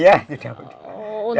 iya sudah muda